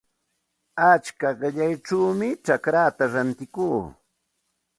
Achka qillayćhawmi chacraata rantikuu.